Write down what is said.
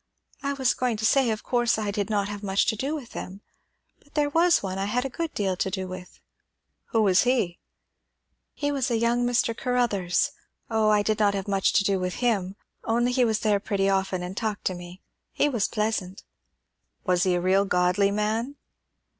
"I was going to say, of course I did not have much to do with them; but there was one I had a good deal to do with." "Who was he?" "He was a young Mr. Caruthers. O, I did not have much to do with him; only he was there pretty often, and talked to me. He was pleasant." "Was he a real godly man?"